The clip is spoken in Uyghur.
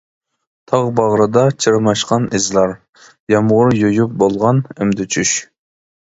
تاغ باغرىدا چىرماشقان ئىزلار، يامغۇر يۇيۇپ بولغان ئەمدى چۈش.